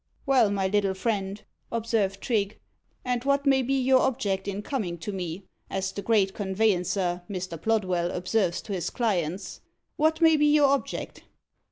"Well, my little friend," observed Trigge, "and what may be your object in coming to me? as the great conveyancer, Mr. Plodwell, observes to his clients what may be your object?"